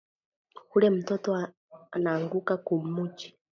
Ule mtoto ananguka ku muchi